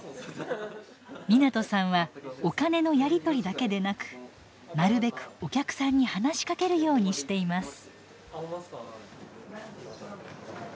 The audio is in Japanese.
湊さんはお金のやり取りだけでなくなるべくお客さんに話しかけるようにしています。